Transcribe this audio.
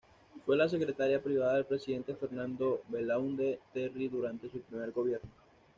Fue la secretaria privada del Presidente Fernando Belaúnde Terry durante su primer gobierno.